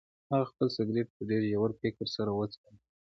هغه خپل سګرټ په ډیر ژور فکر سره وڅکاوه.